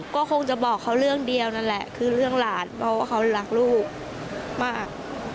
ก็คงจะบอกเขาเรื่องเดียวนั่นแหละคือเรื่องหลานเพราะว่าเขารักลูกมาก